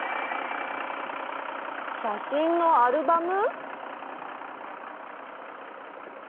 しゃしんのアルバム？